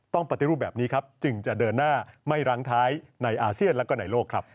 ปฏิรูปแบบนี้ครับจึงจะเดินหน้าไม่รั้งท้ายในอาเซียนและก็ในโลกครับ